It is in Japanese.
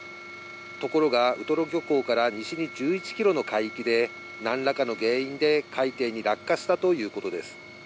ところが、ウトロ漁港から西に１１キロの海域で、なんらかの原因で海底に落下したということです。